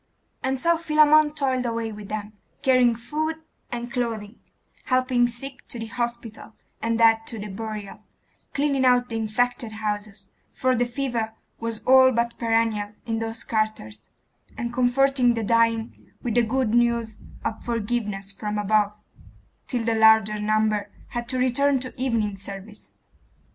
And so Philammon toiled away with them, carrying food and clothing, helping sick to the hospital, and dead to the burial; cleaning out the infected houses for the fever was all but perennial in those quarters and comforting the dying with the good news of forgiveness from above; till the larger number had to return to evening service.